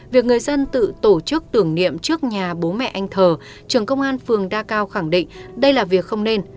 việc người dân tự tổ chức tưởng niệm trước nhà bố mẹ anh thờ trường công an phường đa cao khẳng định đây là việc không nên